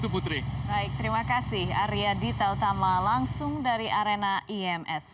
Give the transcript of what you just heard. baik terima kasih arya dita utama langsung dari arena ims